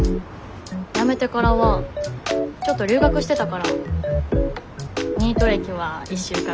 辞めてからはちょっと留学してたからニート歴は１週間くらい？